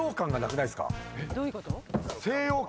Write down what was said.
どういうこと？